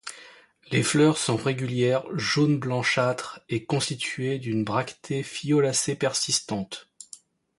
Les fleurs sont régulières, jaune blanchâtre et constituées d'une bractée foliacée persistante.